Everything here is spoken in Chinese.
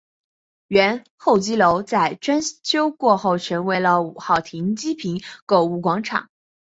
原候机楼在装修过后成为了五号停机坪购物广场。